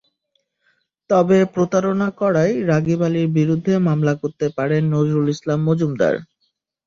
তবে প্রতারণা করায় রাগীব আলীর বিরুদ্ধে মামলা করতে পারেন নজরুল ইসলাম মজুমদার।